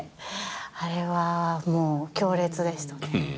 あれはもう強烈でしたね。